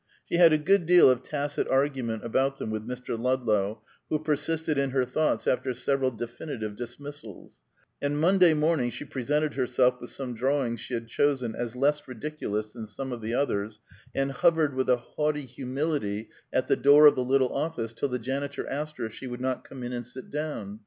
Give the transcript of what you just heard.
She had a good deal of tacit argument about them with Mr. Ludlow, who persisted in her thoughts after several definitive dismissals; and Monday morning she presented herself with some drawings she had chosen as less ridiculous than some of the others, and hovered with a haughty humility at the door of the little office till the janitor asked her if she would not come in and sit down.